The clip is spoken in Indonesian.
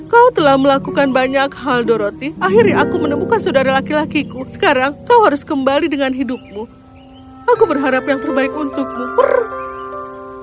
kau telah melakukan banyak hal dorothy akhirnya aku menemukan saudara laki lakiku sekarang kau harus kembali dengan hidupmu aku berharap yang terbaik untukmu perut